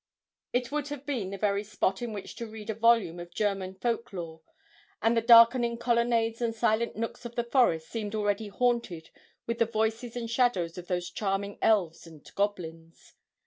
It would have been the very spot in which to read a volume of German folk lore, and the darkening colonnades and silent nooks of the forest seemed already haunted with the voices and shadows of those charming elves and goblins.